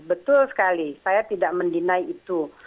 betul sekali saya tidak mendinai itu